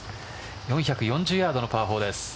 ４４０ヤードのパー４です。